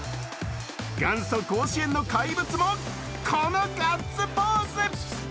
元祖甲子園の怪物もこのガッツポーズ。